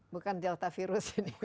bukan delta virus ini